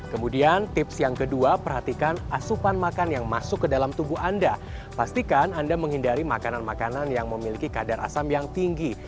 kemudian tips yang kedua perhatikan asupan makan yang masuk ke dalam tubuh anda pastikan anda menghindari makanan makanan yang memiliki kadar asam yang tinggi